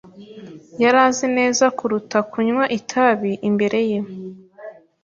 Yari azi neza kuruta kunywa itabi imbere ye.